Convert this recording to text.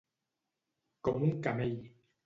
Com un camell.